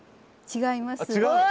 違います。